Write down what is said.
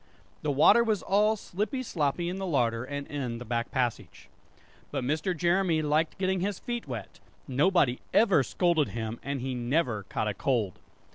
The water was all slippy sloppy in the larder and in the back passage. But Mr. Jeremy liked getting his feet wet; nobody ever scolded him, and he never caught a cold!